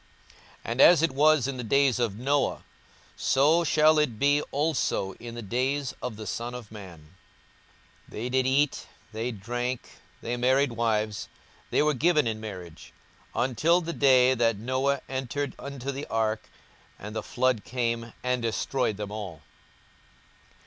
42:017:026 And as it was in the days of Noe, so shall it be also in the days of the Son of man. 42:017:027 They did eat, they drank, they married wives, they were given in marriage, until the day that Noe entered into the ark, and the flood came, and destroyed them all.